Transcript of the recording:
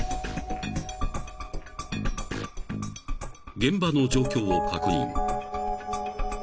［現場の状況を確認］